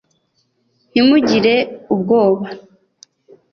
ntimugire ubwoba,